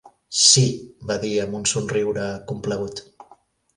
"Sí", va dir, amb un somriure complagut.